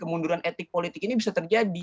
kemunduran etik politik ini bisa terjadi